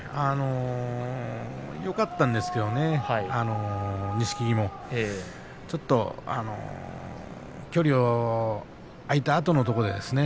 よかったんですけどね、錦木もちょっと距離、空いたあとですね。